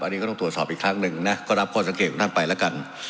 อันนี้ก็ต้องตรวจสอบอีกครั้งหนึ่งนะก็รับข้อสังเกตของท่านไปแล้วกัน